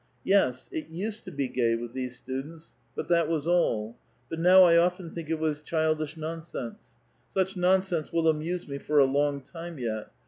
Yes, it used to be gay with these students, but '^^t was all. But now I often think it was childish non ?^^^8e; such nonsense will amuse me for a long time yet.